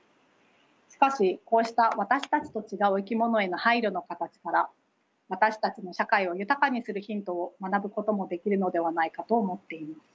しかしこうした私たちと違う生き物への配慮の形から私たちの社会を豊かにするヒントを学ぶこともできるのではないかと思っています。